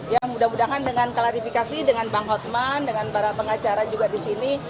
ya mudah mudahan dengan klarifikasi dengan bang hotman dengan para pengacara juga di sini